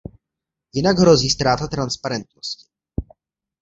Jinak hrozí ztráta transparentnosti.